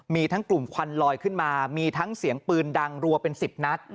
มีทั้งกลุ่มควันลอยขึ้นมามีทั้งเสียงปืนดังรัวเป็น๑๐นัด